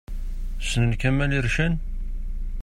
Ssnen Kamel Ircen?